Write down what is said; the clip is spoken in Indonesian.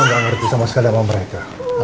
aku cuma gak ngerti sama sekali sama mereka